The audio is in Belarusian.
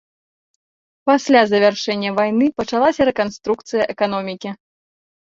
Пасля завяршэння вайны пачалася рэканструкцыя эканомікі.